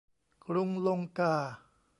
กรุงลงกา